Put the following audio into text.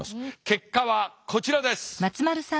結果はこちらです。